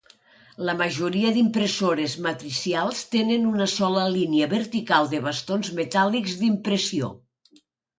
La majoria d'impressores matricials tenen una sola línia vertical de bastons metàl·lics d'impressió.